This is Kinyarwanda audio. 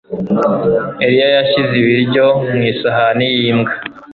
Eliya yashyize ibiryo mu isahani yimbwa.